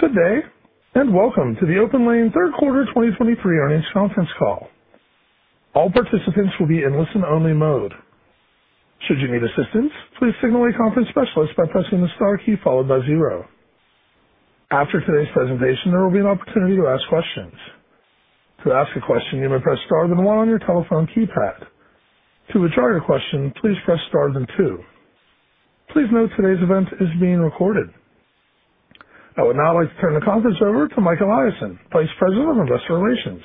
Good day, and welcome to the OPENLANE Third Quarter 2023 Earnings Conference Call. All participants will be in listen-only mode. Should you need assistance, please signal a conference specialist by pressing the * key followed by 0. After today's presentation, there will be an opportunity to ask questions. To ask a question, you may press * then 1 on your telephone keypad. To withdraw your question, please press * then 2. Please note, today's event is being recorded. I would now like to turn the conference over to Mike Eliason, Vice President of Investor Relations.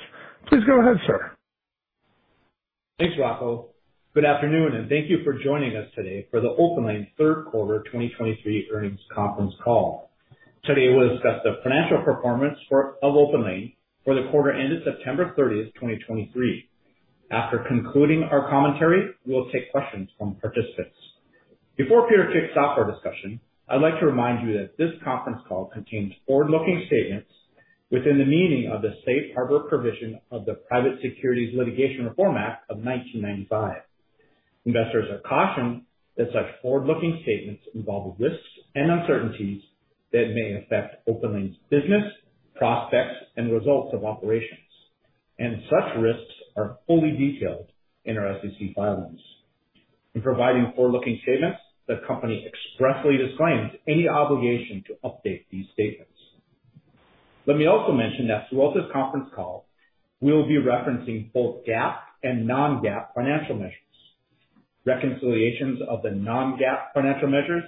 Please go ahead, sir. Thanks, Rocco. Good afternoon and thank you for joining us today for the OPENLANE Third Quarter 2023 Earnings Conference Call. Today, we'll discuss the financial performance of OPENLANE for the quarter ended September 30, 2023. After concluding our commentary, we will take questions from participants. Before Peter kicks off our discussion, I'd like to remind you that this conference call contains forward-looking statements within the meaning of the Safe Harbor provision of the Private Securities Litigation Reform Act of 1995. Investors are cautioned that such forward-looking statements involve risks and uncertainties that may affect OPENLANE's business, prospects, and results of operations, and such risks are fully detailed in our SEC filings. In providing forward-looking statements, the company expressly disclaims any obligation to update these statements. Let me also mention that throughout this conference call, we will be referencing both GAAP and non-GAAP financial measures. Reconciliations of the non-GAAP financial measures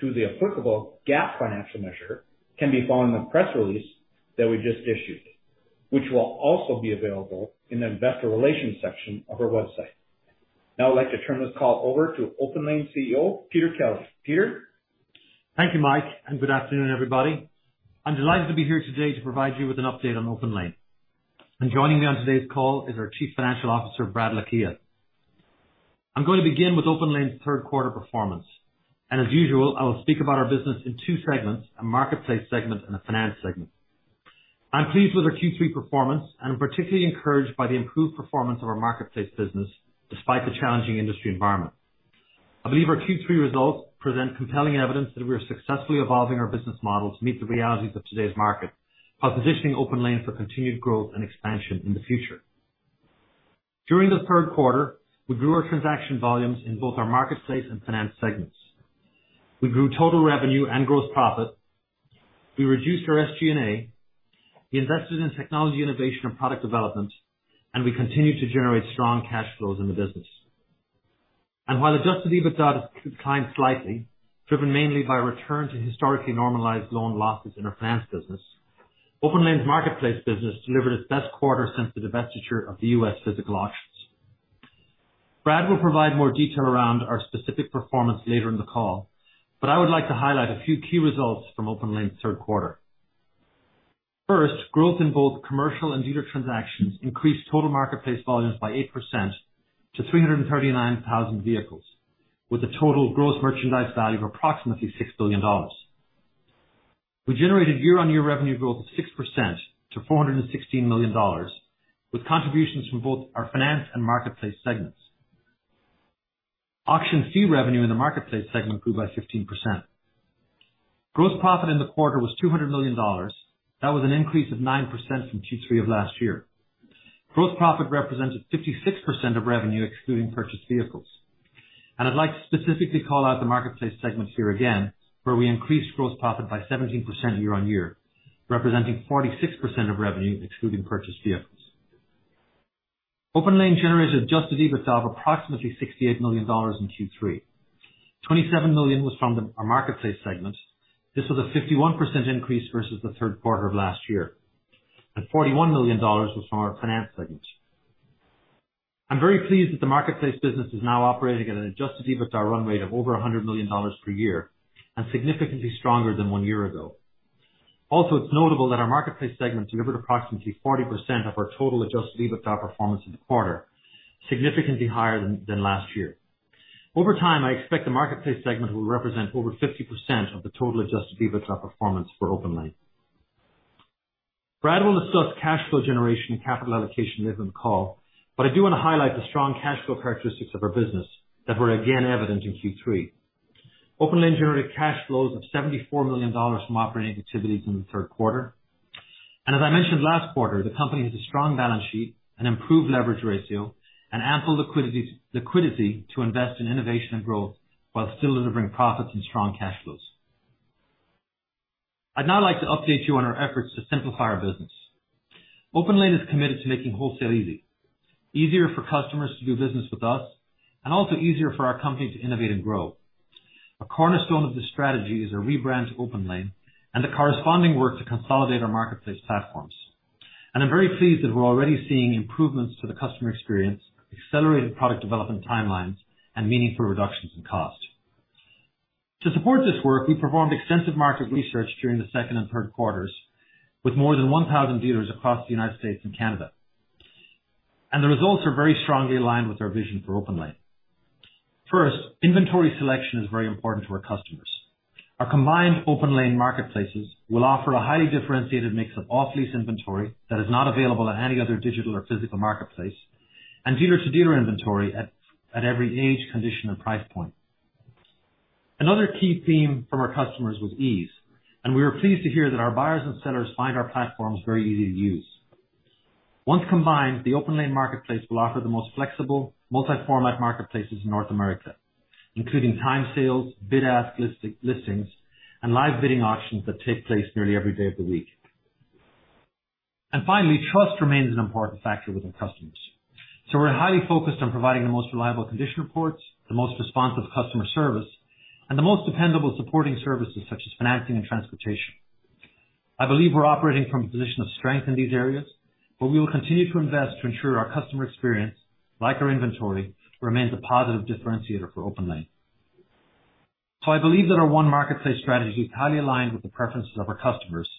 to the applicable GAAP financial measure can be found in the press release that we just issued, which will also be available in the investor relations section of our website. Now I'd like to turn this call over to OPENLANE CEO, Peter Kelly. Peter? Thank you, Mike, and good afternoon, everybody. I'm delighted to be here today to provide you with an update on OPENLANE. And joining me on today's call is our Chief Financial Officer, Brad Lakhia. I'm going to begin with OPENLANE's third quarter performance, and as usual, I will speak about our business in two segments, a marketplace segment and a finance segment. I'm pleased with our Q3 performance, and I'm particularly encouraged by the improved performance of our marketplace business, despite the challenging industry environment. I believe our Q3 results present compelling evidence that we are successfully evolving our business model to meet the realities of today's market, while positioning OPENLANE for continued growth and expansion in the future. During the third quarter, we grew our transaction volumes in both our marketplace and finance segments. We grew total revenue and gross profit. We reduced our SG&A. We invested in technology, innovation, and product development, and we continued to generate strong cash flows in the business. While adjusted EBITDA declined slightly, driven mainly by a return to historically normalized loan losses in our finance business, OPENLANE's marketplace business delivered its best quarter since the divestiture of the U.S. physical auctions. Brad will provide more detail around our specific performance later in the call, but I would like to highlight a few key results from OPENLANE's third quarter. First, growth in both commercial and dealer transactions increased total marketplace volumes by 8% to 339,000 vehicles, with a total gross merchandise value of approximately $6 billion. We generated year-on-year revenue growth of 6% to $416 million, with contributions from both our finance and marketplace segments. Auction fee revenue in the marketplace segment grew by 15%. Gross profit in the quarter was $200 million. That was an increase of 9% from Q3 of last year. Gross profit represented 56% of revenue, excluding purchased vehicles, and I'd like to specifically call out the marketplace segment here again, where we increased gross profit by 17% year-on-year, representing 46% of revenue, excluding purchased vehicles. OPENLANE generated Adjusted EBITDA of approximately $68 million in Q3. $27 million was from our marketplace segment. This was a 51% increase versus the third quarter of last year, and $41 million was from our finance segment. I'm very pleased that the marketplace business is now operating at an Adjusted EBITDA run rate of over $100 million per year and significantly stronger than one year ago. Also, it's notable that our marketplace segment delivered approximately 40% of our total adjusted EBITDA performance in the quarter, significantly higher than last year. Over time, I expect the marketplace segment will represent over 50% of the total adjusted EBITDA performance for OPENLANE. Brad will discuss cash flow generation and capital allocation later in the call, but I do want to highlight the strong cash flow characteristics of our business that were again evident in Q3. OPENLANE generated cash flows of $74 million from operating activities in the third quarter. And as I mentioned last quarter, the company has a strong balance sheet, an improved leverage ratio, and ample liquidity to invest in innovation and growth while still delivering profits and strong cash flows. I'd now like to update you on our efforts to simplify our business. OPENLANE is committed to making wholesale easy, easier for customers to do business with us, and also easier for our company to innovate and grow. A cornerstone of this strategy is our rebrand to OPENLANE and the corresponding work to consolidate our marketplace platforms. I'm very pleased that we're already seeing improvements to the customer experience, accelerated product development timelines, and meaningful reductions in cost. To support this work, we performed extensive market research during the second and third quarters with more than 1,000 dealers across the United States and Canada. The results are very strongly aligned with our vision for OPENLANE. First, inventory selection is very important to our customers. Our combined OPENLANE marketplaces will offer a highly differentiated mix of off-lease inventory that is not available on any other digital or physical marketplace, and dealer-to-dealer inventory at every age, condition, and price point.... Another key theme from our customers was ease, and we were pleased to hear that our buyers and sellers find our platforms very easy to use. Once combined, the OPENLANE marketplace will offer the most flexible multi-format marketplaces in North America, including time sales, bid-ask listings, and live bidding auctions that take place nearly every day of the week. Finally, trust remains an important factor with our customers. So, we're highly focused on providing the most reliable condition reports, the most responsive customer service, and the most dependable supporting services, such as financing and transportation. I believe we're operating from a position of strength in these areas, but we will continue to invest to ensure our customer experience, like our inventory, remains a positive differentiator for OPENLANE. So, I believe that our one marketplace strategy is highly aligned with the preferences of our customers,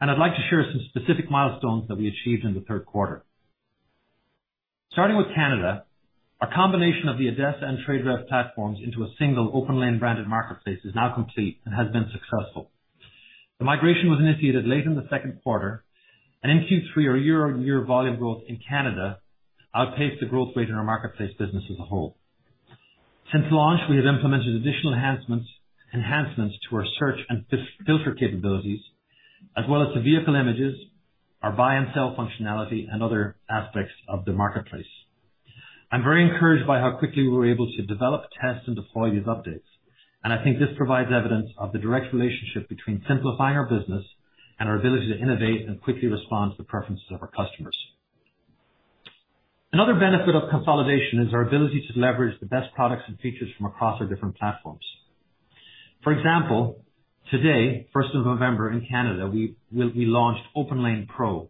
and I'd like to share some specific milestones that we achieved in the third quarter. Starting with Canada, our combination of the ADESA and TradeRev platforms into a single OPENLANE branded marketplace is now complete and has been successful. The migration was initiated late in the second quarter, and in Q3, our year-over-year volume growth in Canada outpaced the growth rate in our marketplace business as a whole. Since launch, we have implemented additional enhancements, enhancements to our search and filter capabilities, as well as the vehicle images, our buy and sell functionality, and other aspects of the marketplace. I'm very encouraged by how quickly we were able to develop, test, and deploy these updates, and I think this provides evidence of the direct relationship between simplifying our business and our ability to innovate and quickly respond to the preferences of our customers. Another benefit of consolidation is our ability to leverage the best products and features from across our different platforms. For example, today, first of November, in Canada, we launched OPENLANE Pro.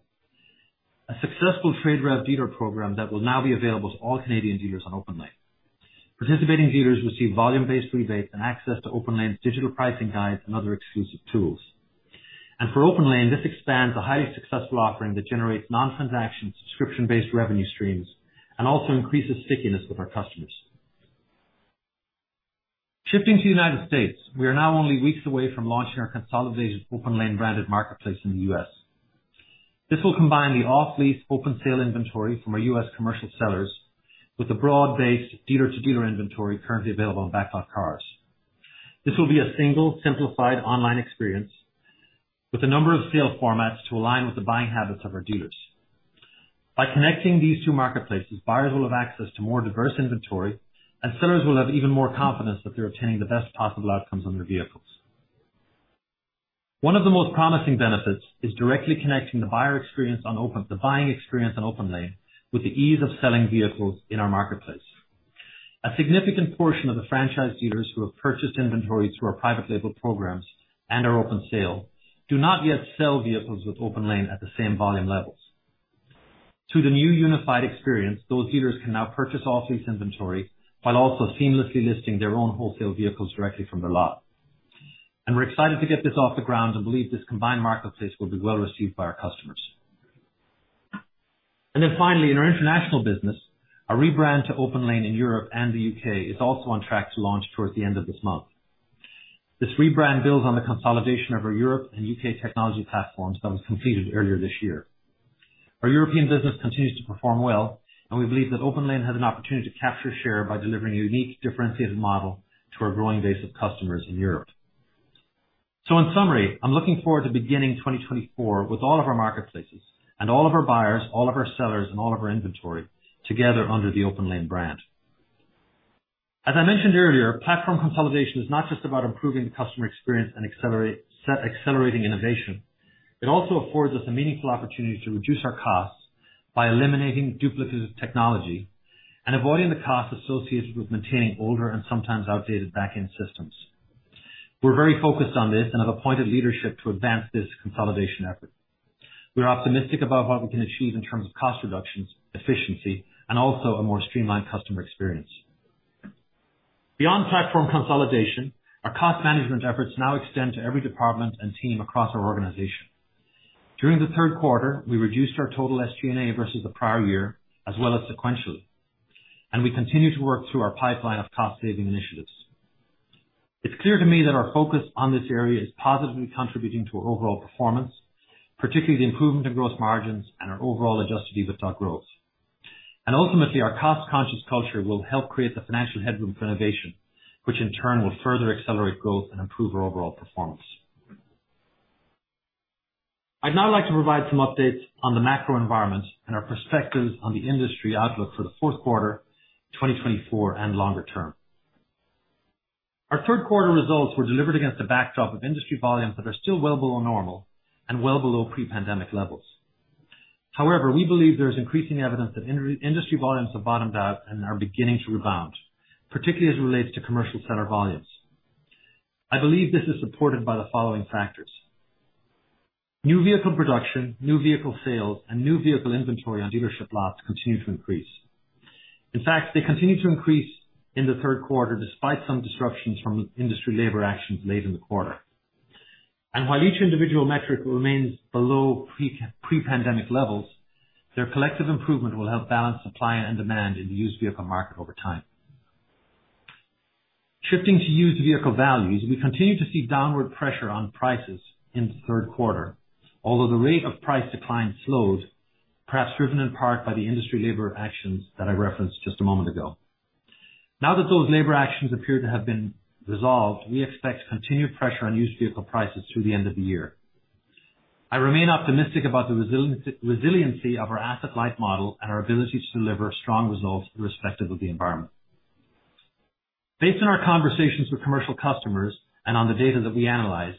A successful TradeRev dealer program that will now be available to all Canadian dealers on OPENLANE. Participating dealers receive volume-based rebates and access to OPENLANE's digital pricing guide and other exclusive tools. For OPENLANE, this expands a highly successful offering that generates non-transaction, subscription-based revenue streams and also increases stickiness with our customers. Shifting to the United States, we are now only weeks away from launching our consolidated OPENLANE branded marketplace in the U.S. This will combine the off-lease open sale inventory from our U.S. commercial sellers with a broad-based dealer-to-dealer inventory currently available on BacklotCars. This will be a single, simplified online experience with a number of sales formats to align with the buying habits of our dealers. By connecting these two marketplaces, buyers will have access to more diverse inventory, and sellers will have even more confidence that they're obtaining the best possible outcomes on their vehicles. One of the most promising benefits is directly connecting the buying experience on OPENLANE with the ease of selling vehicles in our marketplace. A significant portion of the franchise dealers who have purchased inventory through our private label programs and our open sale do not yet sell vehicles with OPENLANE at the same volume levels. Through the new unified experience, those dealers can now purchase off-lease inventory while also seamlessly listing their own wholesale vehicles directly from their lot. We're excited to get this off the ground and believe this combined marketplace will be well received by our customers. Then finally, in our international business, our rebrand to OPENLANE in Europe and the U.K. is also on track to launch towards the end of this month. This rebrand builds on the consolidation of our Europe and U.K. technology platforms that was completed earlier this year. Our European business continues to perform well, and we believe that OPENLANE has an opportunity to capture share by delivering a unique, differentiated model to our growing base of customers in Europe. So, in summary, I'm looking forward to beginning 2024 with all of our marketplaces and all of our buyers, all of our sellers, and all of our inventory together under the OPENLANE brand. As I mentioned earlier, platform consolidation is not just about improving the customer experience and accelerating innovation. It also affords us a meaningful opportunity to reduce our costs by eliminating duplicative technology and avoiding the costs associated with maintaining older and sometimes outdated back-end systems. We're very focused on this and have appointed leadership to advance this consolidation effort. We are optimistic about what we can achieve in terms of cost reductions, efficiency, and also a more streamlined customer experience. Beyond platform consolidation, our cost management efforts now extend to every department and team across our organization. During the third quarter, we reduced our total SG&A versus the prior year, as well as sequentially, and we continue to work through our pipeline of cost-saving initiatives. It's clear to me that our focus on this area is positively contributing to our overall performance, particularly the improvement in gross margins and our overall Adjusted EBITDA growth. Ultimately, our cost-conscious culture will help create the financial headroom for innovation, which in turn will further accelerate growth and improve our overall performance. I'd now like to provide some updates on the macro environment and our perspectives on the industry outlook for the fourth quarter, 2024, and longer term. Our third quarter results were delivered against a backdrop of industry volumes that are still well below normal and well below pre-pandemic levels. However, we believe there is increasing evidence that industry volumes have bottomed out and are beginning to rebound, particularly as it relates to commercial vehicle volumes. I believe this is supported by the following factors: new vehicle production, new vehicle sales, and new vehicle inventory on dealership lots continue to increase. In fact, they continued to increase in the third quarter, despite some disruptions from industry labor actions late in the quarter. While each individual metric remains below pre-pandemic levels, their collective improvement will help balance supply and demand in the used vehicle market over time. Shifting to used vehicle values, we continue to see downward pressure on prices in the third quarter, although the rate of price decline slowed... perhaps driven in part by the industry labor actions that I referenced just a moment ago. Now that those labor actions appear to have been resolved, we expect continued pressure on used vehicle prices through the end of the year. I remain optimistic about the resiliency of our asset-light model and our ability to deliver strong results irrespective of the environment. Based on our conversations with commercial customers and on the data that we analyzed,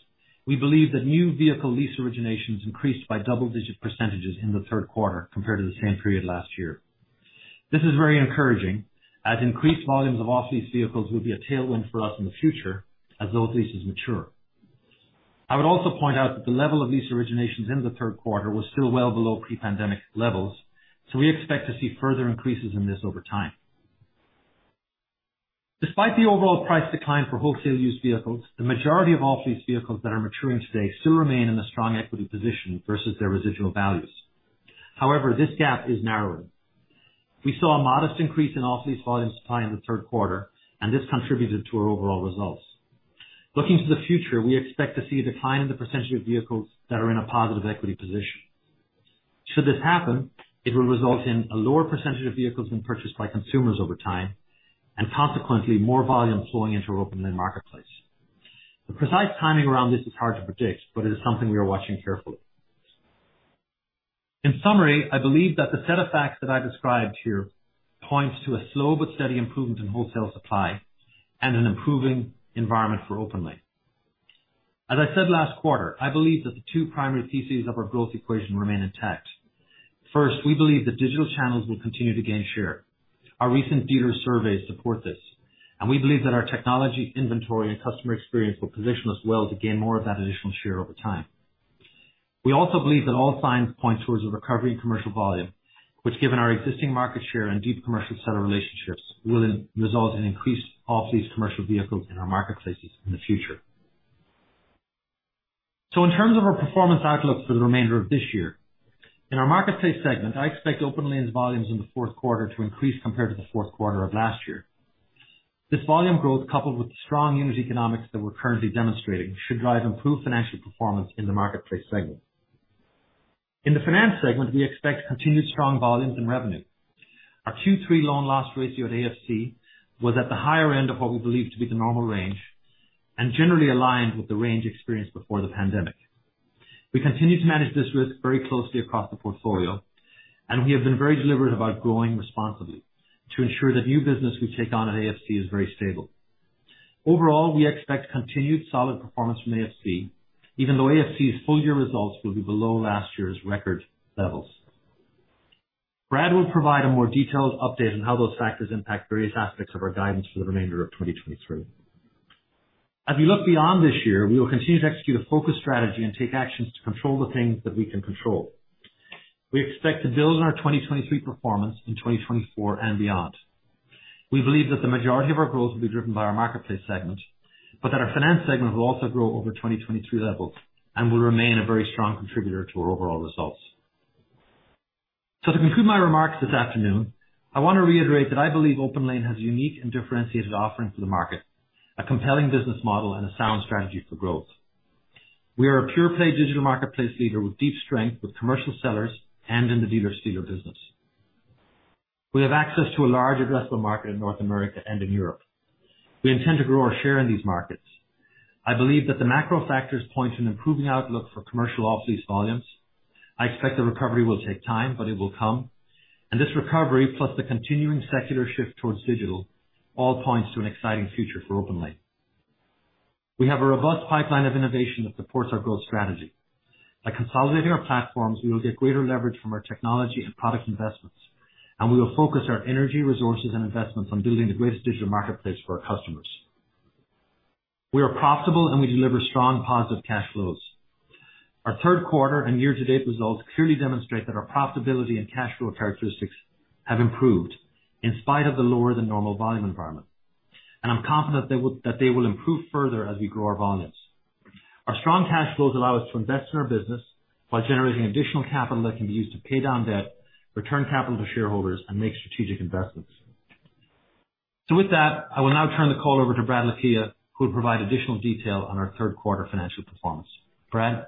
we believe that new vehicle lease originations increased by double-digit percentages in the third quarter compared to the same period last year. This is very encouraging, as increased volumes of off-lease vehicles will be a tailwind for us in the future as those leases mature. I would also point out that the level of lease originations in the third quarter was still well below pre-pandemic levels, so we expect to see further increases in this over time. Despite the overall price decline for wholesale used vehicles, the majority of off-lease vehicles that are maturing today still remain in a strong equity position versus their residual values. However, this gap is narrowing. We saw a modest increase in off-lease volumes supply in the third quarter, and this contributed to our overall results. Looking to the future, we expect to see a decline in the percentage of vehicles that are in a positive equity position. Should this happen, it will result in a lower percentage of vehicles being purchased by consumers over time, and consequently, more volume flowing into our OPENLANE marketplace. The precise timing around this is hard to predict, but it is something we are watching carefully. In summary, I believe that the set of facts that I described here points to a slow but steady improvement in wholesale supply and an improving environment for OPENLANE. As I said last quarter, I believe that the two primary pieces of our growth equation remain intact. First, we believe that digital channels will continue to gain share. Our recent dealer surveys support this, and we believe that our technology, inventory, and customer experience will position us well to gain more of that additional share over time. We also believe that all signs point towards a recovery in commercial volume, which, given our existing market share and deep commercial set of relationships, will result in increased off-lease commercial vehicles in our marketplaces in the future. In terms of our performance outlook for the remainder of this year, in our marketplace segment, I expect OPENLANE's volumes in the fourth quarter to increase compared to the fourth quarter of last year. This volume growth, coupled with the strong unit economics that we're currently demonstrating, should drive improved financial performance in the marketplace segment. In the finance segment, we expect continued strong volumes and revenue. Our Q3 loan loss ratio at AFC was at the higher end of what we believe to be the normal range and generally aligned with the range experienced before the pandemic. We continue to manage this risk very closely across the portfolio, and we have been very deliberate about growing responsibly to ensure that new business we take on at AFC is very stable. Overall, we expect continued solid performance from AFC, even though AFC's full year results will be below last year's record levels. Brad will provide a more detailed update on how those factors impact various aspects of our guidance for the remainder of 2023. As we look beyond this year, we will continue to execute a focused strategy and take actions to control the things that we can control. We expect to build on our 2023 performance in 2024 and beyond. We believe that the majority of our growth will be driven by our marketplace segment, but that our finance segment will also grow over 2023 levels and will remain a very strong contributor to our overall results. So, to conclude my remarks this afternoon, I want to reiterate that I believe OPENLANE has a unique and differentiated offering to the market, a compelling business model and a sound strategy for growth. We are a pure play digital marketplace leader with deep strength with commercial sellers and in the dealer-to-dealer business. We have access to a large addressable market in North America and in Europe. We intend to grow our share in these markets. I believe that the macro factors point to an improving outlook for commercial off-lease volumes. I expect the recovery will take time, but it will come, and this recovery, plus the continuing secular shift towards digital, all points to an exciting future for OPENLANE. We have a robust pipeline of innovation that supports our growth strategy. By consolidating our platforms, we will get greater leverage from our technology and product investments, and we will focus our energy, resources, and investments on building the greatest digital marketplace for our customers. We are profitable and we deliver strong positive cash flows. Our third quarter and year-to-date results clearly demonstrate that our profitability and cash flow characteristics have improved in spite of the lower-than-normal volume environment, and I'm confident that they will, that they will improve further as we grow our volumes. Our strong cash flows allow us to invest in our business while generating additional capital that can be used to pay down debt, return capital to shareholders, and make strategic investments. So, with that, I will now turn the call over to Brad Lakhia, who will provide additional detail on our third quarter financial performance. Brad?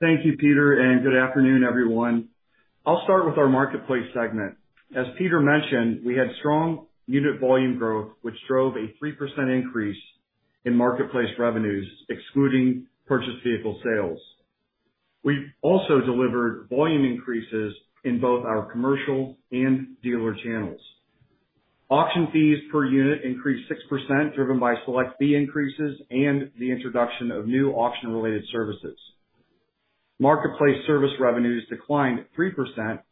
Thank you, Peter, and good afternoon, everyone. I'll start with our marketplace segment. As Peter mentioned, we had strong unit volume growth, which drove a 3% increase in marketplace revenues, excluding purchased vehicle sales. We also delivered volume increases in both our commercial and dealer channels. Auction fees per unit increased 6%, driven by select fee increases and the introduction of new auction-related services. Marketplace service revenues declined 3%,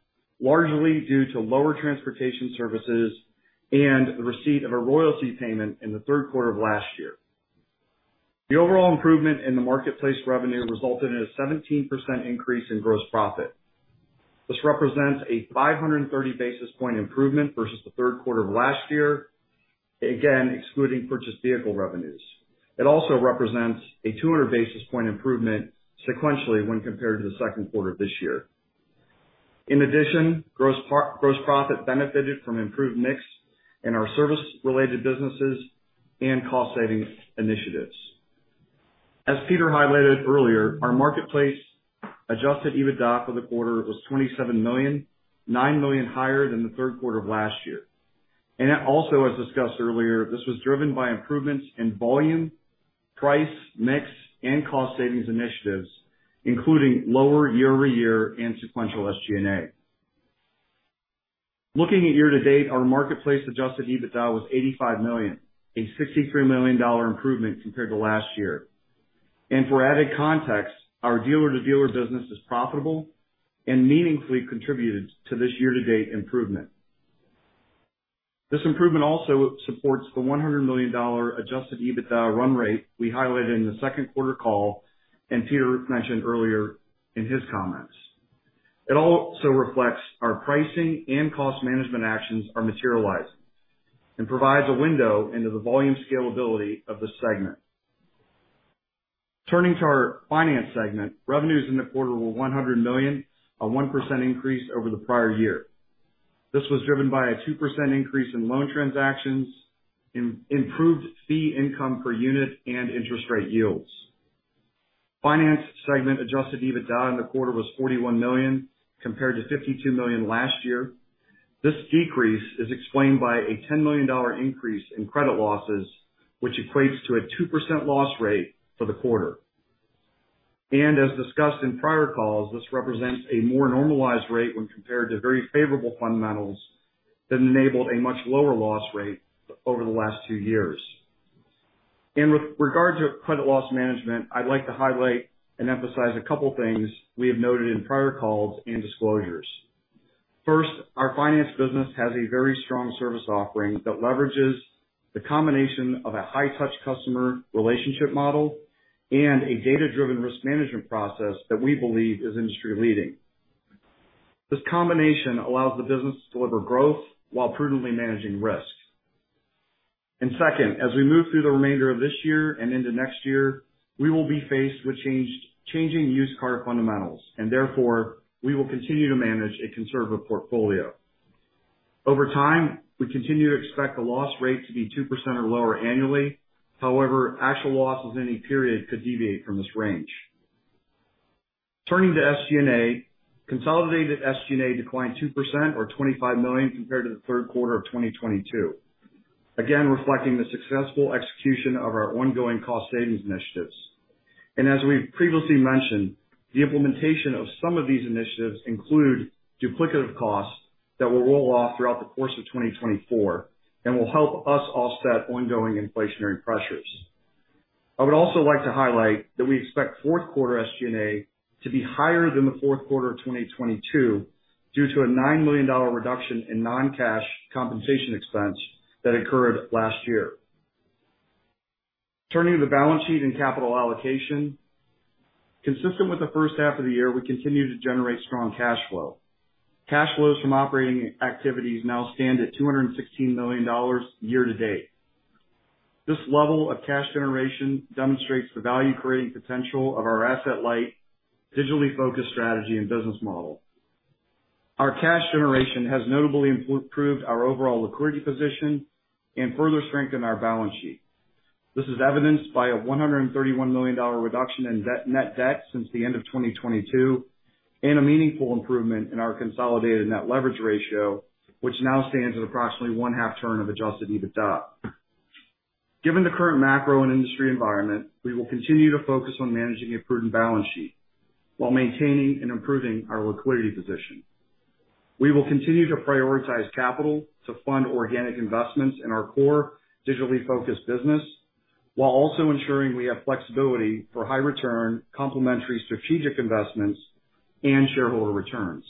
largely due to lower transportation services and the receipt of a royalty payment in the third quarter of last year. The overall improvement in the marketplace revenue resulted in a 17% increase in gross profit. This represents a 530-basis point improvement versus the third quarter of last year, again, excluding purchased vehicle revenues. It also represents a 200-basis point improvement sequentially when compared to the second quarter of this year. In addition, gross profit benefited from improved mix in our service-related businesses and cost-saving initiatives. As Peter highlighted earlier, our marketplace adjusted EBITDA for the quarter was $27 million, $9 million higher than the third quarter of last year. Also, as discussed earlier, this was driven by improvements in volume, price, mix, and cost savings initiatives, including lower year-over-year and sequential SG&A. Looking at year-to-date, our marketplace adjusted EBITDA was $85 million, a $63 million improvement compared to last year. For added context, our dealer-to-dealer business is profitable and meaningfully contributed to this year-to-date improvement. This improvement also supports the $100 million adjusted EBITDA run rate we highlighted in the second quarter call, and Peter mentioned earlier in his comments. It also reflects our pricing and cost management actions are materializing and provides a window into the volume scalability of the segment. Turning to our finance segment, revenues in the quarter were $100 million, a 1% increase over the prior year. This was driven by a 2% increase in loan transactions, improved fee income per unit, and interest rate yields. Finance segment adjusted EBITDA in the quarter was $41 million, compared to $52 million last year. This decrease is explained by a $10 million increase in credit losses, which equates to a 2% loss rate for the quarter. And as discussed in prior calls, this represents a more normalized rate when compared to very favorable fundamentals that enabled a much lower loss rate over the last two years. And with regard to credit loss management, I'd like to highlight and emphasize a couple things we have noted in prior calls and disclosures. First, our finance business has a very strong service offering that leverages the combination of a high-touch customer relationship model and a data-driven risk management process that we believe is industry-leading. This combination allows the business to deliver growth while prudently managing risk. And second, as we move through the remainder of this year and into next year, we will be faced with changed, changing used car fundamentals, and therefore we will continue to manage a conservative portfolio. Over time, we continue to expect the loss rate to be 2% or lower annually. However, actual losses any period could deviate from this range. Turning to SG&A, consolidated SG&A declined 2% or $25 million compared to the third quarter of 2022, again, reflecting the successful execution of our ongoing cost savings initiatives. And as we've previously mentioned, the implementation of some of these initiatives include duplicative costs that will roll off throughout the course of 2024 and will help us offset ongoing inflationary pressures. I would also like to highlight that we expect fourth quarter SG&A to be higher than the fourth quarter of 2022, due to a $9 million reduction in non-cash compensation expense that occurred last year. Turning to the balance sheet and capital allocation. Consistent with the first half of the year, we continue to generate strong cash flow. Cash flows from operating activities now stand at $216 million year to date. This level of cash generation demonstrates the value-creating potential of our asset-light, digitally focused strategy and business model. Our cash generation has notably improved our overall liquidity position and further strengthened our balance sheet. This is evidenced by a $131 million reduction in debt, net debt since the end of 2022, and a meaningful improvement in our consolidated net leverage ratio, which now stands at approximately 0.5 turn of adjusted EBITDA. Given the current macro and industry environment, we will continue to focus on managing a prudent balance sheet while maintaining and improving our liquidity position. We will continue to prioritize capital to fund organic investments in our core digitally focused business; while also ensuring we have flexibility for high return, complementary strategic investments and shareholder returns.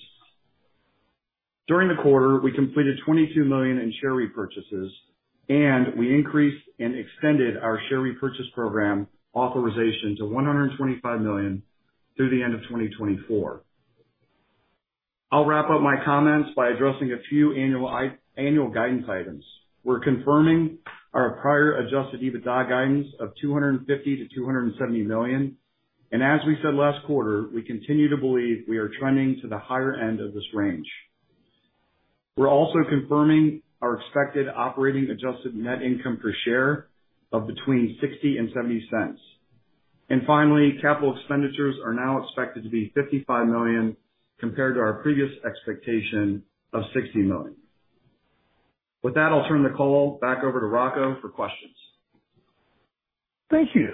During the quarter, we completed $22 million in share repurchases, and we increased and extended our share repurchase program authorization to $125 million through the end of 2024. I'll wrap up my comments by addressing a few annual guidance items. We're confirming our prior Adjusted EBITDA guidance of $250 million-$270 million, and as we said last quarter, we continue to believe we are trending to the higher end of this range. We're also confirming our expected operating adjusted net income per share of between $0.60 and $0.70. Finally, capital expenditures are now expected to be $55 million, compared to our previous expectation of $60 million. With that, I'll turn the call back over to Rocco for questions. Thank you.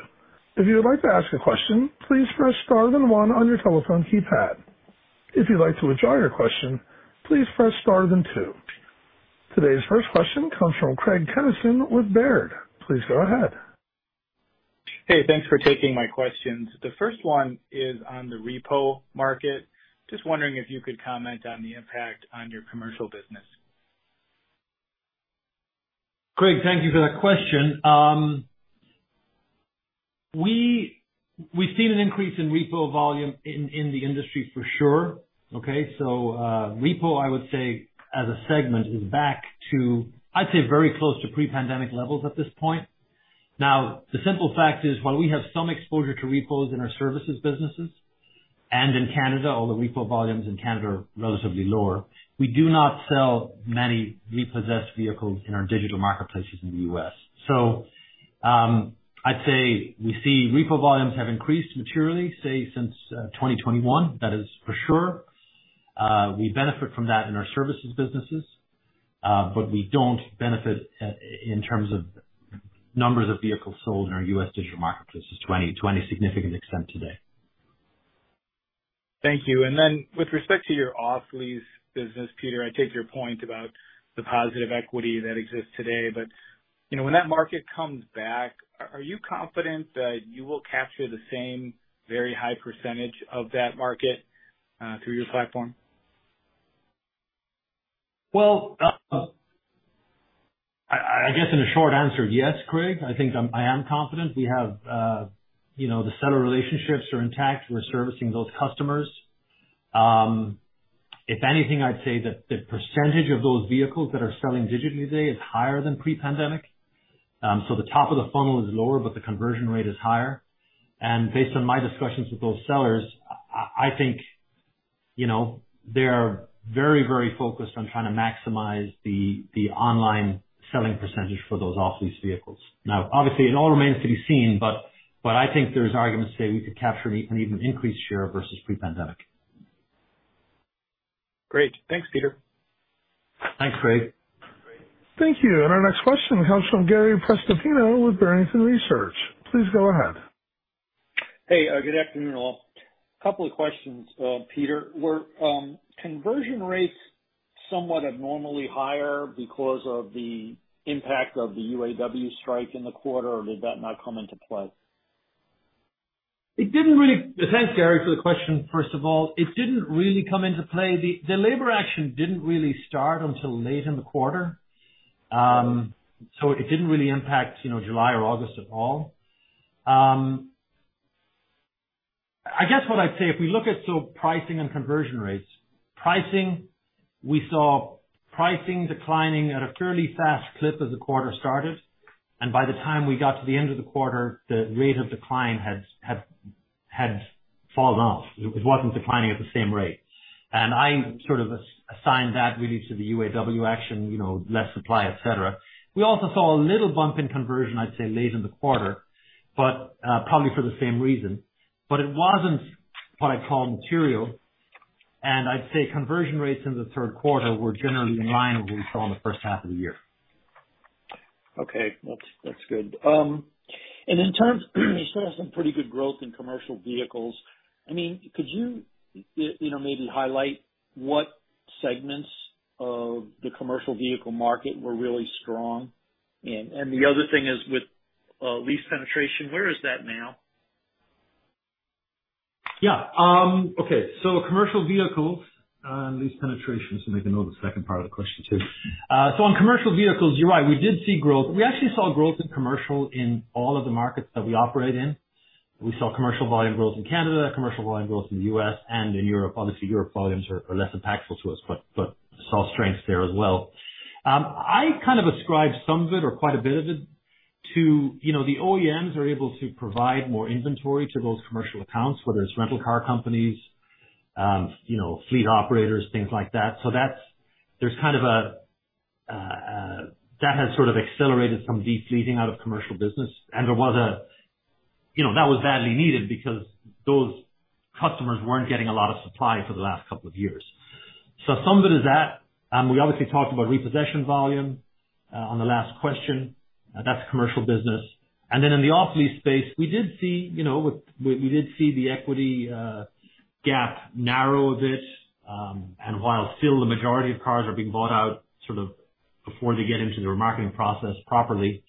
If you would like to ask a question, please press star then one on your telephone keypad. If you'd like to withdraw your question, please press star then two. Today's first question comes from Craig Kennison with Baird. Please go ahead. Hey, thanks for taking my questions. The first one is on the repo market. Just wondering if you could comment on the impact on your commercial business. Craig, thank you for that question. We, we've seen an increase in repo volume in the industry for sure, okay? So, repo, I would say, as a segment, is back to, I'd say, very close to pre-pandemic levels at this point. Now, the simple fact is, while we have some exposure to repos in our services businesses- ... and in Canada, although repo volumes in Canada are relatively lower, we do not sell many repossessed vehicles in our digital marketplaces in the U.S. So, I'd say we see repo volumes have increased materially, say, since 2021. That is for sure. We benefit from that in our services businesses, but we don't benefit in terms of numbers of vehicles sold in our U.S. digital marketplaces to any significant extent today. Thank you. And then with respect to your off-lease business, Peter, I take your point about the positive equity that exists today, but, you know, when that market comes back, are you confident that you will capture the same very high percentage of that market through your platform? Well, I guess in a short answer, yes, Craig, I think I am confident. We have, you know, the seller relationships are intact. We're servicing those customers. If anything, I'd say that the percentage of those vehicles that are selling digitally today is higher than pre-pandemic. So, the top of the funnel is lower, but the conversion rate is higher. And based on my discussions with those sellers, I think, you know, they are very, very focused on trying to maximize the online selling percentage for those off-lease vehicles. Now, obviously, it all remains to be seen, but I think there's arguments to say we could capture an even increased share versus pre-pandemic. Great. Thanks, Peter. Thanks, Craig. Thank you. Our next question comes from Gary Prestopino with Barrington Research. Please go ahead. Hey, good afternoon, all. Couple of questions, Peter. Were conversion rates somewhat abnormally higher because of the impact of the UAW strike in the quarter, or did that not come into play? Thanks, Gary, for the question, first of all. It didn't really come into play. The labor action didn't really start until late in the quarter. So, it didn't really impact, you know, July or August at all. I guess what I'd say, if we look at sort of pricing and conversion rates. Pricing, we saw pricing declining at a fairly fast clip as the quarter started, and by the time we got to the end of the quarter, the rate of decline had fallen off. It wasn't declining at the same rate. And I sort of assigned that really to the UAW action, you know, less supply, et cetera. We also saw a little bump in conversion, I'd say, late in the quarter, but probably for the same reason. But it wasn't what I'd call material, and I'd say conversion rates in the third quarter were generally in line with what we saw in the first half of the year. Okay. That's, that's good. And in terms of you saw some pretty good growth in commercial vehicles. I mean, could you, you know, maybe highlight what segments of the commercial vehicle market were really strong? And the other thing is with lease penetration, where is that now? Yeah. Okay. So, commercial vehicles and lease penetration, so, I can know the second part of the question, too. So, on commercial vehicles, you're right, we did see growth. We actually saw growth in commercial in all of the markets that we operate in. We saw commercial volume growth in Canada, commercial volume growth in the U.S. and in Europe. Obviously, Europe volumes are less impactful to us but saw strengths there as well. I kind of ascribe some of it or quite a bit of it to, you know, the OEMs are able to provide more inventory to those commercial accounts, whether it's rental car companies, you know, fleet operators, things like that. So that's, there's kind of, that has sort of accelerated some de-fleeting out of commercial business. And there was a... You know, that was badly needed because those customers weren't getting a lot of supply for the last couple of years. So, some of it is that. We obviously talked about repossession volume on the last question, and that's commercial business. And then in the off-lease space, we did see, you know, the equity gap narrow a bit, and while still the majority of cars are being bought out sort of before they get into the remarketing process properly,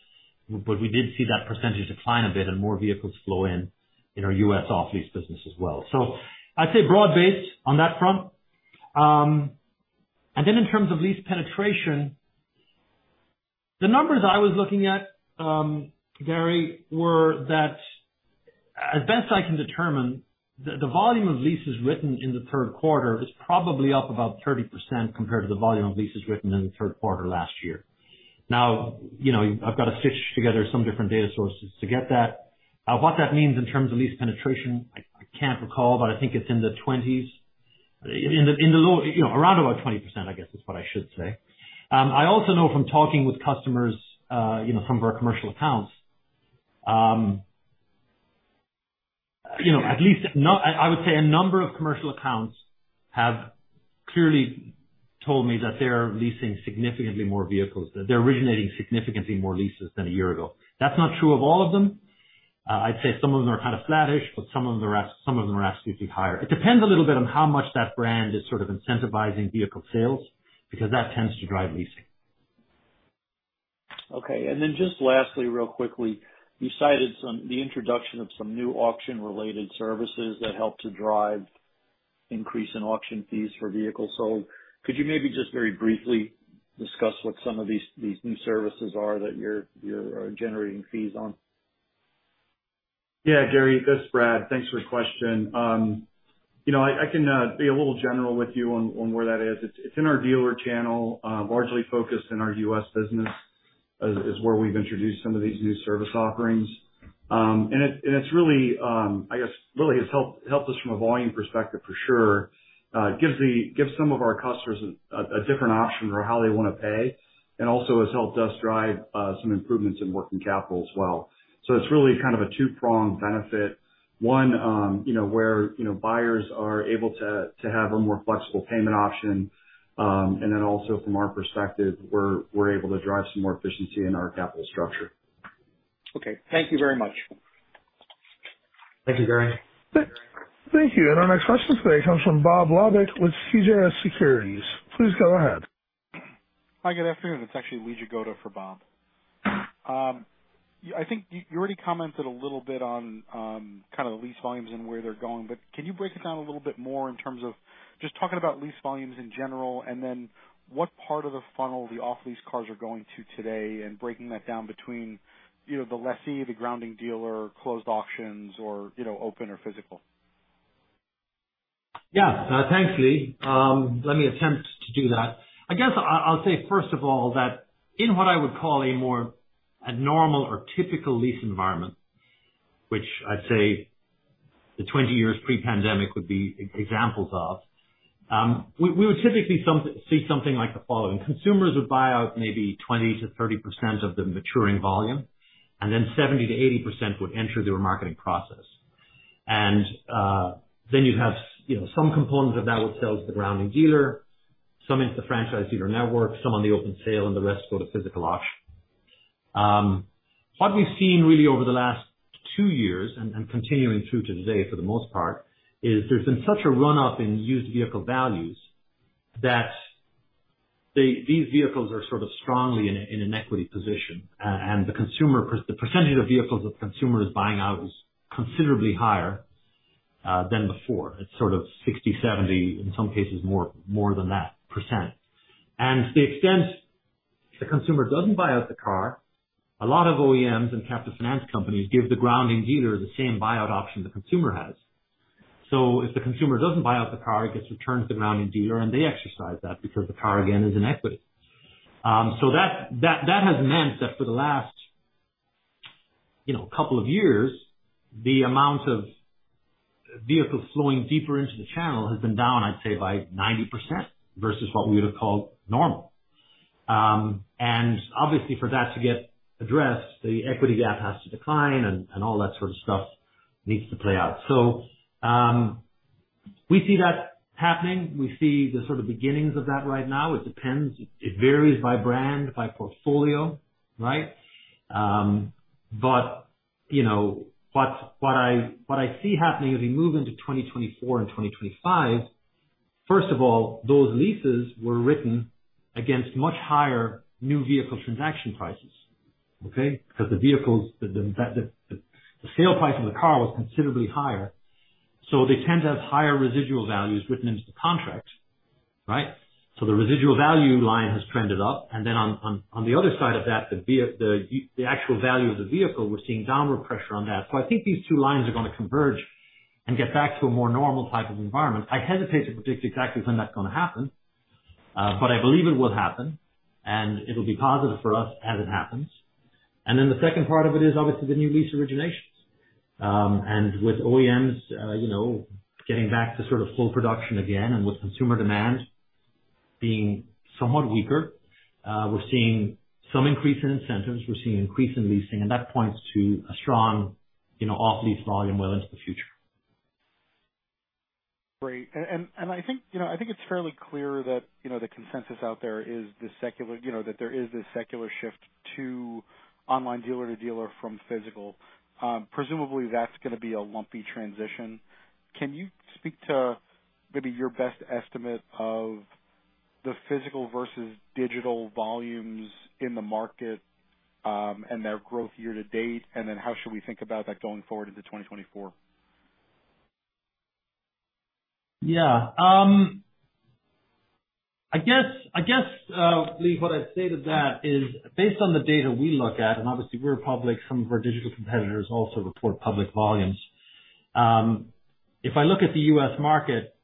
but we did see that percentage decline a bit and more vehicles flow in in our U.S. off-lease business as well. So, I'd say broad-based on that front. And then in terms of lease penetration, the numbers I was looking at, Gary, were that, as best I can determine, the volume of leases written in the third quarter is probably up about 30% compared to the volume of leases written in the third quarter last year. Now, you know, I've got to stitch together some different data sources to get that. What that means in terms of lease penetration, I can't recall, but I think it's in the 20s. In the low, you know, around about 20%, I guess, is what I should say. I also know from talking with customers, you know, some of our commercial accounts, you know, at least, I would say a number of commercial accounts have clearly told me that they're leasing significantly more vehicles, that they're originating significantly more leases than a year ago. That's not true of all of them. I'd say some of them are kind of flattish, but some of them are actually higher. It depends a little bit on how much that brand is sort of incentivizing vehicle sales, because that tends to drive leasing. Okay. And then just lastly, real quickly, you cited some... the introduction of some new auction-related services that help to drive increase in auction fees for vehicles sold. Could you maybe just very briefly discuss what some of these, these new services are that you're, you're generating fees on? Yeah, Gary, this is Brad. Thanks for your question. You know, I can be a little general with you on where that is. It's in our dealer channel, largely focused in our U.S. business. ... is where we've introduced some of these new service offerings. It really has helped us from a volume perspective for sure. It gives some of our customers a different option for how they wanna pay and also has helped us drive some improvements in working capital as well. It's really kind of a two-pronged benefit. One, you know, where, you know, buyers are able to have a more flexible payment option. Then also from our perspective, we're able to drive some more efficiency in our capital structure. Okay, thank you very much. Thank you, Gary. Thank you. Our next question today comes from Bob Labick with CJS Securities. Please go ahead. Hi, good afternoon. It's actually Lee Jagoda for Bob. I think you already commented a little bit on kind of the lease volumes and where they're going, but can you break it down a little bit more in terms of just talking about lease volumes in general, and then what part of the funnel the off-lease cars are going to today and breaking that down between, you know, the lessee, the grounding dealer, closed auctions, or, you know, open or physical? Yeah. Thanks, Lee. Let me attempt to do that. I guess I'll say first of all, that in what I would call a more abnormal or typical lease environment, which I'd say the 20 years pre-pandemic would be examples of, we would typically see something like the following: consumers would buy out maybe 20%-30% of the maturing volume, and then 70%-80% would enter the remarketing process. And, then you'd have, you know, some component of that would sell to the grounding dealer, some into the franchise dealer network, some on the open sale, and the rest go to physical auction. What we've seen really over the last two years and, and continuing through to today, for the most part, is there's been such a run-up in used vehicle values that these vehicles are sort of strongly in, in an equity position. The consumer pers- the percentage of vehicles the consumer is buying out is considerably higher than before. It's sort of 60, 70, in some cases, more, more than that, %. To the extent the consumer doesn't buy out the car, a lot of OEMs and captive finance companies give the grounding dealer the same buyout option the consumer has. If the consumer doesn't buy out the car, it gets returned to the grounding dealer, and they exercise that because the car, again, is in equity. So that has meant that for the last, you know, couple of years, the amount of vehicles flowing deeper into the channel has been down, I'd say, by 90% versus what we would have called normal. And obviously for that to get addressed, the equity gap has to decline, and all that sort of stuff needs to play out. So, we see that happening. We see the sort of beginnings of that right now. It depends. It varies by brand, by portfolio, right? But, you know, what I see happening as we move into 2024 and 2025, first of all, those leases were written against much higher new vehicle transaction prices, okay? Because the vehicles, the sale price of the car was considerably higher, so they tend to have higher residual values written into the contract, right? So, the residual value line has trended up, and then on the other side of that, the actual value of the vehicle, we're seeing downward pressure on that. So, I think these two lines are gonna converge and get back to a more normal type of environment. I hesitate to predict exactly when that's gonna happen, but I believe it will happen, and it'll be positive for us as it happens. And then the second part of it is obviously the new lease originations. And with OEMs, you know, getting back to sort of full production again, and with consumer demand being somewhat weaker, we're seeing some increase in incentives. We're seeing an increase in leasing, and that points to a strong, you know, off-lease volume well into the future. Great. And I think, you know, I think it's fairly clear that, you know, the consensus out there is the secular... You know, that there is this secular shift to online dealer to dealer from physical. Presumably, that's gonna be a lumpy transition. Can you speak to maybe your best estimate of the physical versus digital volumes in the market, and their growth year to date? And then how should we think about that going forward into 2024? Yeah. I guess, Lee, what I'd say to that is, based on the data we look at, and obviously we're public, some of our digital competitors also report public volumes. If I look at the U.S. market,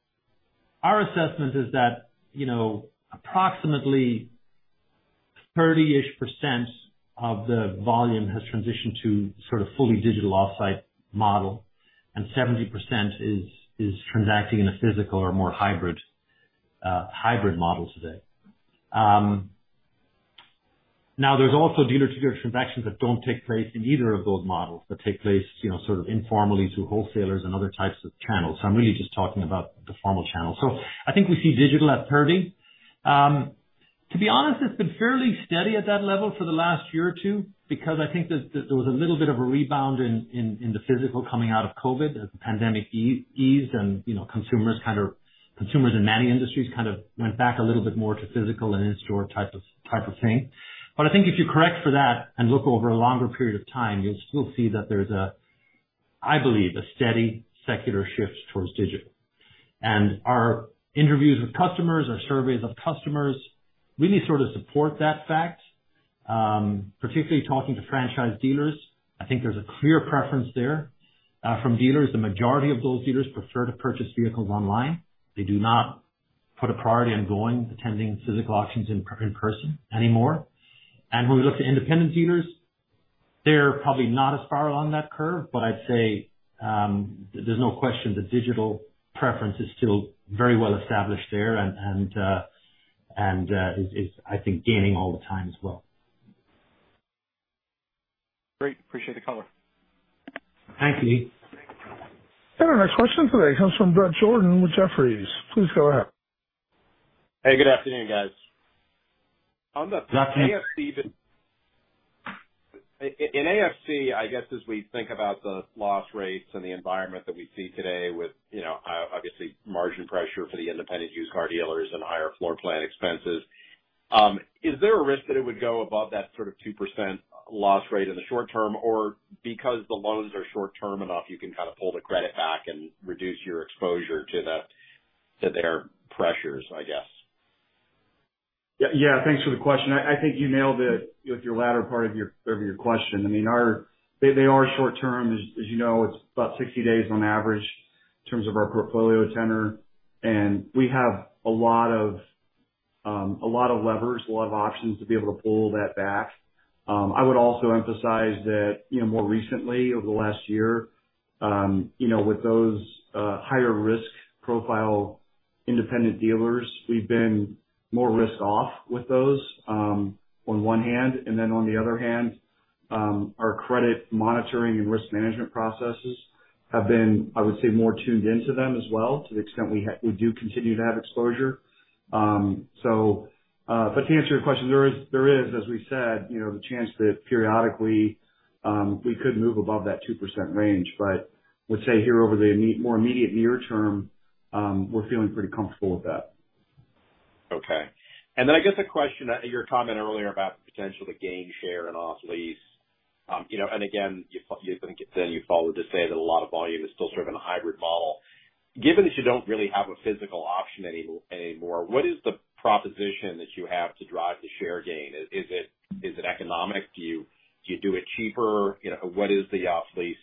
our assessment is that, you know, approximately 30-ish% of the volume has transitioned to sort of fully digital offsite model, and 70% is transacting in a physical or more hybrid model today. Now, there's also dealer-to-dealer transactions that don't take place in either of those models, that take place, you know, sort of informally through wholesalers and other types of channels. So, I'm really just talking about the formal channel. So, I think we see digital at 30. To be honest, it's been fairly steady at that level for the last year or two because I think there was a little bit of a rebound in the physical coming out of COVID as the pandemic eased and, you know, consumers in many industries kind of went back a little bit more to physical and in-store type of thing. But I think if you correct for that and look over a longer period of time, you'll still see that there's a steady secular shift towards digital. And our interviews with customers, our surveys of customers, really sort of support that fact. Particularly talking to franchise dealers, I think there's a clear preference there from dealers. The majority of those dealers prefer to purchase vehicles online. They do not-... put a priority on going, attending physical auctions in person anymore. And when we look to independent dealers, they're probably not as far along that curve, but I'd say, there's no question the digital preference is still very well established there and is, I think, gaining all the time as well. Great. Appreciate the color. Thanks, Lee. Our next question today comes from Bret Jordan with Jefferies. Please go ahead. Hey, good afternoon, guys. On the AFC- Good afternoon. In AFC, I guess, as we think about the loss rates and the environment that we see today with, you know, obviously, margin pressure for the independent used car dealers and higher floor plan expenses, is there a risk that it would go above that sort of 2% loss rate in the short term? Or because the loans are short term enough, you can kind of pull the credit back and reduce your exposure to the, to their pressures, I guess? Yeah, yeah, thanks for the question. I think you nailed it with your latter part of your question. I mean, our... They are short term, as you know, it's about 60 days on average in terms of our portfolio tenor. And we have a lot of levers, a lot of options to be able to pull that back. I would also emphasize that, you know, more recently, over the last year, you know, with those higher risk profile independent dealers, we've been more risk off with those, on one hand, and then, on the other hand, our credit monitoring and risk management processes have been, I would say, more tuned into them as well, to the extent we do continue to have exposure. But to answer your question, there is, as we said, you know, the chance that periodically we could move above that 2% range, but I would say here over the more immediate near term, we're feeling pretty comfortable with that. Okay. And then I guess a question, your comment earlier about the potential to gain share in off-lease. You know, and again, you then followed to say that a lot of volume is still sort of in a hybrid model. Given that you don't really have a physical option anymore, what is the proposition that you have to drive the share gain? Is it economic? Do you do it cheaper? You know, what is the off-lease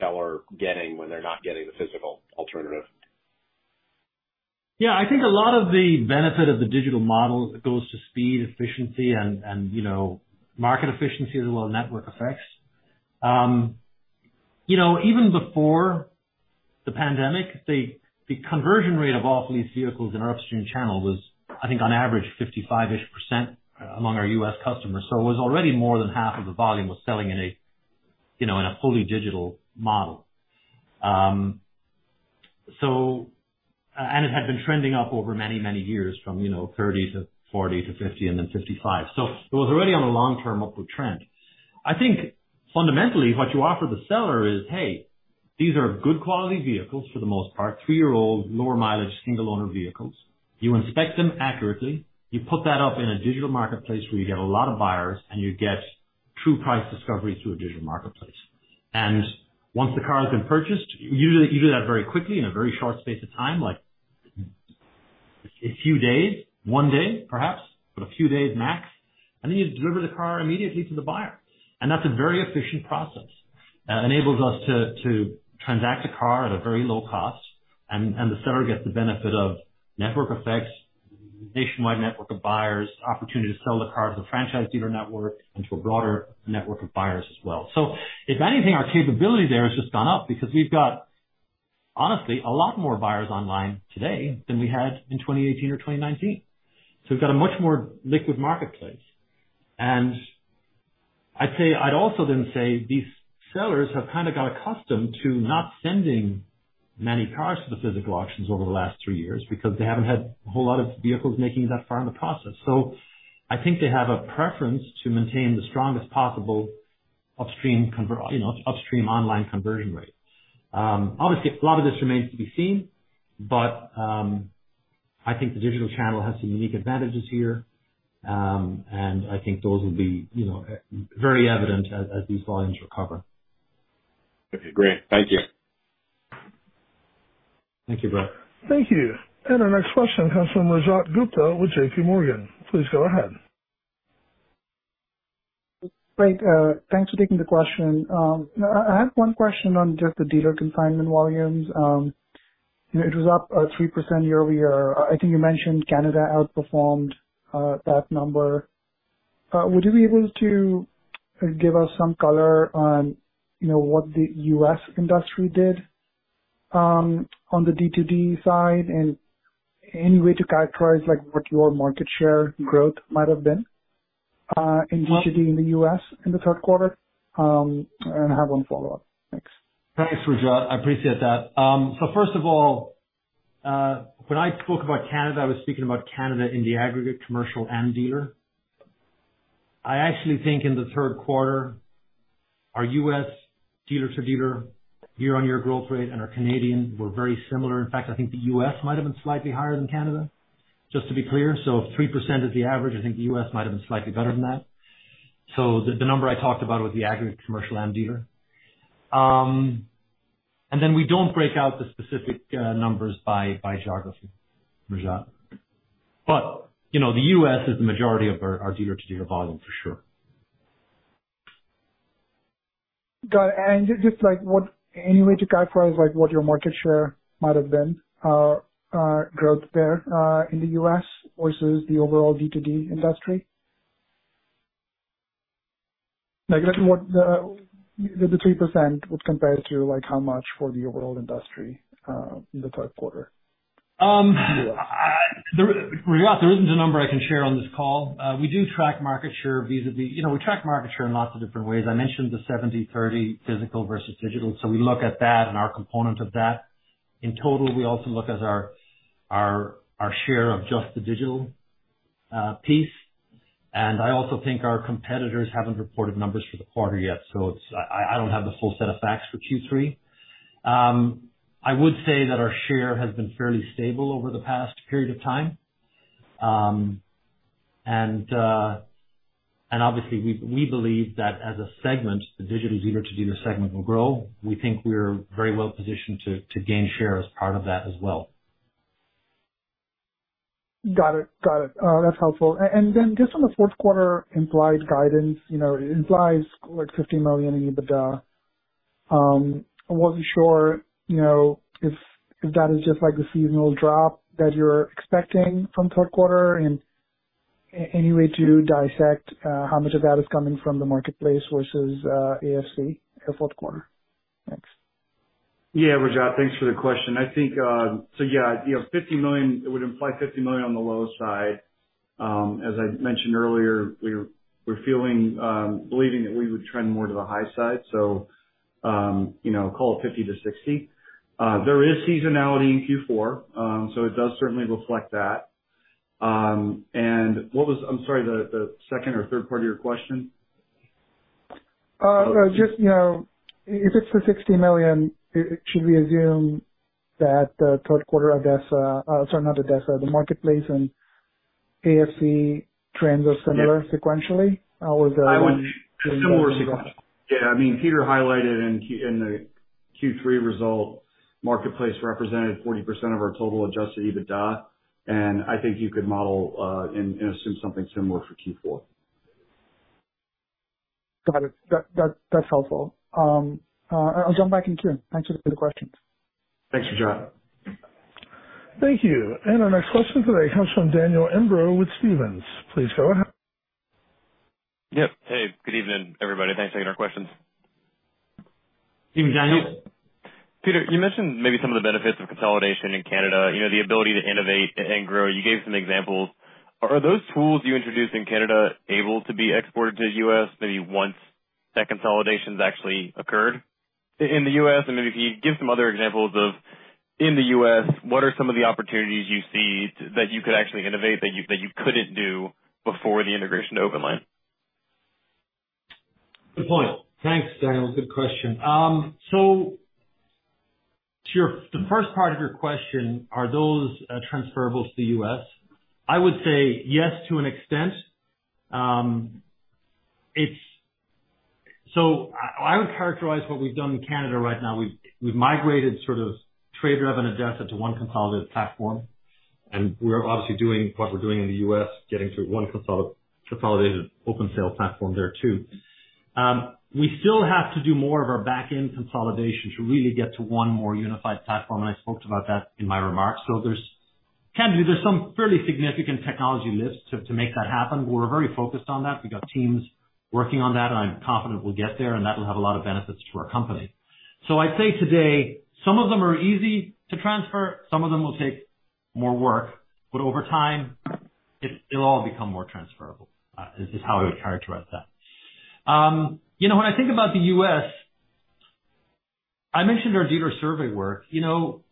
seller getting when they're not getting the physical alternative? Yeah, I think a lot of the benefit of the digital model goes to speed, efficiency, and, and, you know, market efficiency as well as network effects. You know, even before the pandemic, the, the conversion rate of off-lease vehicles in our upstream channel was, I think, on average, 55-ish% among our U.S. customers. So, it was already more than half of the volume was selling in a, you know, in a fully digital model. So, and it had been trending up over many, many years from, you know, 30 to 40 to 50 and then 55. So, it was already on a long-term upward trend. I think fundamentally, what you offer the seller is, hey, these are good quality vehicles for the most part, three-year-old, lower mileage, single owner vehicles. You inspect them accurately, you put that up in a digital marketplace where you get a lot of buyers, and you get true price discovery through a digital marketplace. And once the car has been purchased, usually you do that very quickly in a very short space of time, like a few days, one day, perhaps, but a few days max, and then you deliver the car immediately to the buyer. And that's a very efficient process. It enables us to transact a car at a very low cost, and the seller gets the benefit of network effects, nationwide network of buyers, opportunity to sell the car to the franchise dealer network, and to a broader network of buyers as well. So, if anything, our capability there has just gone up because we've got, honestly, a lot more buyers online today than we had in 2018 or 2019. So, we've got a much more liquid marketplace. And I'd say... I'd also then say, these sellers have kind of got accustomed to not sending many cars to the physical auctions over the last three years, because they haven't had a whole lot of vehicles making it that far in the process. So, I think they have a preference to maintain the strongest possible upstream, you know, upstream online conversion rate. Obviously, a lot of this remains to be seen, but I think the digital channel has some unique advantages here, and I think those will be, you know, very evident as these volumes recover. Okay, great. Thank you. Thank you, Bret. Thank you. And our next question comes from Rajat Gupta with J.P. Morgan. Please go ahead. Great. Thanks for taking the question. I have one question on just the dealer consignment volumes. It was up 3% year-over-year. I think you mentioned Canada outperformed that number. Would you be able to give us some color on, you know, what the U.S. industry did on the D2D side, and any way to characterize, like, what your market share growth might have been in D2D in the U.S. in the third quarter? And I have one follow-up. Thanks. Thanks, Rajat. I appreciate that. So, first of all, when I spoke about Canada, I was speaking about Canada in the aggregate, commercial, and dealer. I actually think in the third quarter, our U.S. dealer-to-dealer year-on-year growth rate and our Canadian were very similar. In fact, I think the U.S. might have been slightly higher than Canada, just to be clear. So, if 3% is the average, I think the U.S. might have been slightly better than that. So, the number I talked about was the aggregate, commercial, and dealer. And then we don't break out the specific numbers by geography, Rajat. But, you know, the U.S. is the majority of our dealer-to-dealer volume for sure.... Got it. And just, like, what, any way to characterize, like, what your market share might have been, growth there, in the US versus the overall D2D industry? Like, what the, the 3% would compare to, like, how much for the overall industry, in the third quarter? Rajat, there isn't a number I can share on this call. We do track market share vis-a-vis... You know, we track market share in lots of different ways. I mentioned the 70/30 physical versus digital, so we look at that and our component of that. In total, we also look at our share of just the digital piece. And I also think our competitors haven't reported numbers for the quarter yet, so, I don't have the full set of facts for Q3. I would say that our share has been fairly stable over the past period of time. And obviously, we believe that as a segment, the digital dealer-to-dealer segment will grow. We think we're very well positioned to gain share as part of that as well. Got it. Got it. That's helpful. And then just on the fourth quarter implied guidance, you know, it implies like $50 million in EBITDA. I wasn't sure, you know, if, if that is just like the seasonal drop that you're expecting from third quarter, and any way to dissect, how much of that is coming from the marketplace versus, AFC in the fourth quarter? Thanks. Yeah, Rajat, thanks for the question. I think, so yeah, you know, $50 million, it would imply $50 million on the low side. As I mentioned earlier, we're, we're feeling, believing that we would trend more to the high side, so, you know, call it $50 million-$60 million. There is seasonality in Q4, so it does certainly reflect that. And what was... I'm sorry, the, the second or third part of your question? Just, you know, if it's for $60 million, should we assume that the third quarter ADESA, sorry, not ADESA, the marketplace and AFC trends are similar sequentially? How was the- I would similar. Yeah, I mean, Peter highlighted in the Q3 result, marketplace represented 40% of our total adjusted EBITDA, and I think you could model, and assume something similar for Q4. Got it. That's helpful. I'll jump back in queue. Thanks for the questions. Thanks, Rajat. Thank you. Our next question today comes from Daniel Imbro with Stephens. Please go ahead. Yep. Hey, good evening, everybody. Thanks for taking our questions. Evening, Daniel. Peter, you mentioned maybe some of the benefits of consolidation in Canada, you know, the ability to innovate and grow. You gave some examples. Are those tools you introduced in Canada able to be exported to the U.S., maybe once that consolidation's actually occurred? In the U.S., and maybe if you give some other examples of, in the U.S., what are some of the opportunities you see that you could actually innovate, that you, that you couldn't do before the integration of OPENLANE? Good point. Thanks, Daniel. Good question. So, to your... The first part of your question, are those transferable to the US? I would say yes, to an extent. It's... So, I would characterize what we've done in Canada right now. We've migrated TradeRev ADESA to one consolidated platform, and we're obviously doing what we're doing in the US, getting to one consolidated open sale platform there, too. We still have to do more of our back-end consolidation to really get to one unified platform, and I spoke about that in my remarks. So, there can be some fairly significant technology lifts to make that happen. We're very focused on that. We've got teams working on that, and I'm confident we'll get there, and that will have a lot of benefits for our company. So, I'd say today, some of them are easy to transfer, some of them will take more work, but over time, it, it'll all become more transferable. This is how I would characterize that. You know, when I think about the U.S., I mentioned our dealer survey work. You know,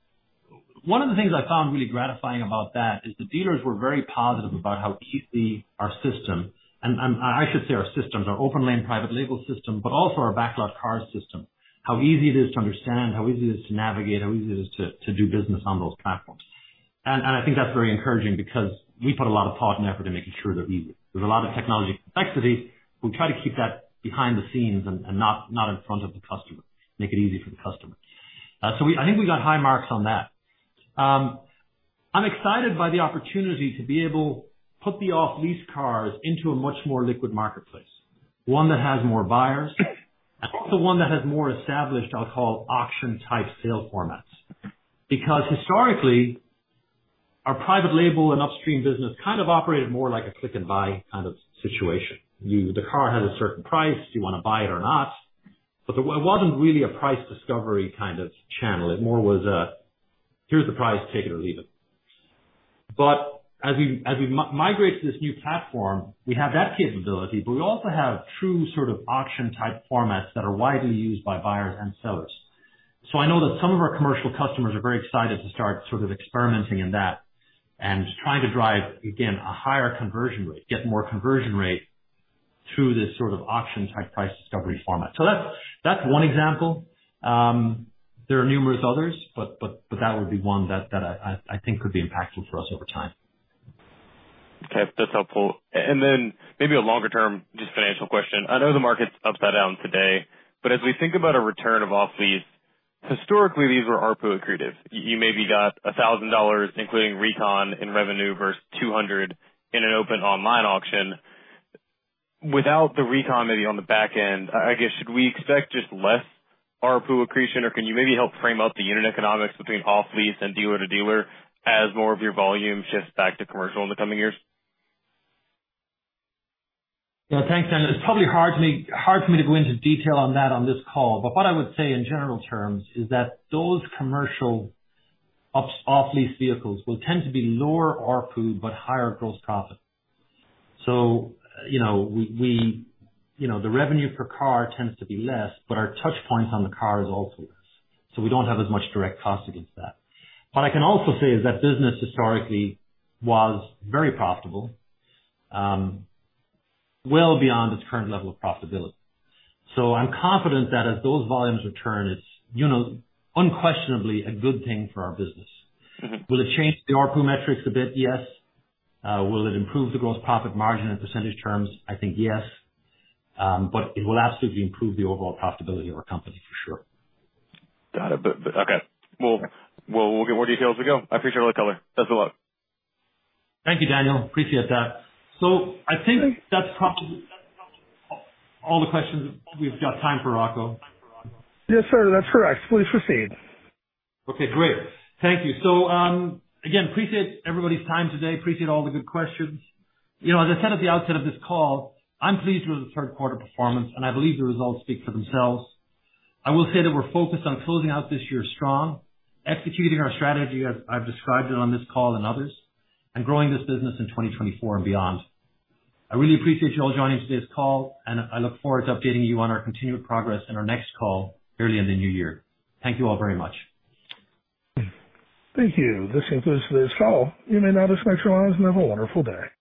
one of the things I found really gratifying about that is the dealers were very positive about how easy our system, and, and I should say our systems, our OPENLANE private label system, but also our BacklotCars system, how easy it is to understand, how easy it is to navigate, how easy it is to do business on those platforms. And I think that's very encouraging because we put a lot of thought and effort in making sure they're easy. There's a lot of technology complexity. We try to keep that behind the scenes and not in front of the customer, make it easy for the customer. So, I think we got high marks on that. I'm excited by the opportunity to be able to put the off-lease cars into a much more liquid marketplace, one that has more buyers, and also one that has more established, I'll call, auction-type sale formats. Because historically, our private label and upstream business kind of operated more like a click and buy kind of situation. The car has a certain price, do you want to buy it or not? But there wasn't really a price discovery kind of channel. It more was a, "Here's the price, take it or leave it." But as we migrate to this new platform, we have that capability, but we also have true sort of auction-type formats that are widely used by buyers and sellers. So, I know that some of our commercial customers are very excited to start sort of experimenting in that and trying to drive, again, a higher conversion rate, get more conversion rate through this sort of auction-type price discovery format. So, that's one example. There are numerous others, but that would be one that I think could be impactful for us over time. Okay, that's helpful. And then maybe a longer term, just financial question. I know the market's upside down today, but as we think about a return of off-lease... historically, these were ARPU accretive. You maybe got $1,000, including recon, in revenue versus $200 in an open online auction. Without the recon maybe on the back end, I guess, should we expect just less ARPU accretion, or can you maybe help frame out the unit economics between off-lease and dealer-to-dealer as more of your volume shifts back to commercial in the coming years? Well, thanks, Daniel. It's probably hard for me to go into detail on that on this call. But what I would say in general terms is that those commercial up off-lease vehicles will tend to be lower ARPU, but higher gross profit. So, you know, we, you know, the revenue per car tends to be less, but our touch points on the car is also less, so we don't have as much direct cost against that. What I can also say is that business historically was very profitable, well beyond its current level of profitability. So, I'm confident that as those volumes return, it's, you know, unquestionably a good thing for our business. Mm-hmm. Will it change the ARPU metrics a bit? Yes. Will it improve the gross profit margin in percentage terms? I think yes. But it will absolutely improve the overall profitability of our company, for sure. Got it. But okay. We'll get more detail as we go. I appreciate all the color. Thanks a lot. Thank you, Daniel. Appreciate that. So, I think that's probably all, all the questions we've got time for, Rocco. Yes, sir. That's correct. Please proceed. Okay, great. Thank you. So, again, appreciate everybody's time today. Appreciate all the good questions. You know, as I said at the outset of this call, I'm pleased with the third quarter performance, and I believe the results speak for themselves. I will say that we're focused on closing out this year strong, executing our strategy as I've described it on this call and others, and growing this business in 2024 and beyond. I really appreciate you all joining today's call, and I look forward to updating you on our continued progress in our next call early in the new year. Thank you all very much. Thank you. This concludes today's call. You may now disconnect your lines and have a wonderful day.